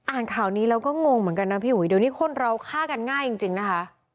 อ่านข่าวนี้แล้วก็งงเหมือนกันนะพี่อุ๋ยเดี๋ยวนี้คนเราฆ่ากันง่ายจริงนะคะ